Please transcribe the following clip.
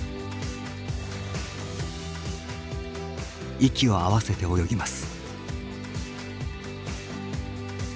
息を合わせて泳ぎます。